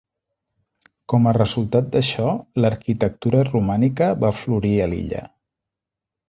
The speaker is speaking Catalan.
Com a resultat d'això, l'arquitectura romànica va florir a l'illa.